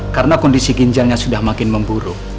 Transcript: karena kondisi ginjalnya sudah makin memburuk